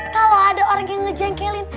kalau ada orang yang ngejengkelin